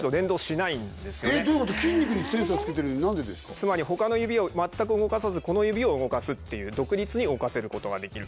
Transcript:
つまり他の指を全く動かさずこの指を動かすっていう独立に動かせることができると。